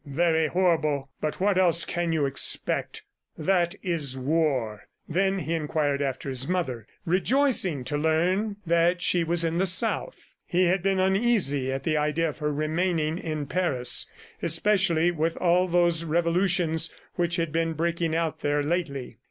"Very horrible, but what else can you expect! ... That is war." He then inquired after his mother, rejoicing to learn that she was in the South. He had been uneasy at the idea of her remaining in Paris ... especially with all those revolutions which had been breaking out there lately!